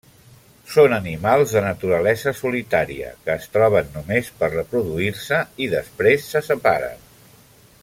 Són animals de naturalesa solitària que es troben només per reproduir-se i després se separen.